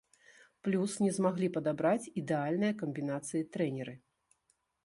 Плюс не змаглі падабраць ідэальныя камбінацыі трэнеры.